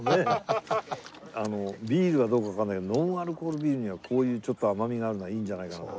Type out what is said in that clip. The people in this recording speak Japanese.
あのビールはどうかわかんないけどノンアルコールビールにはこういうちょっと甘みがあるのはいいんじゃないかな。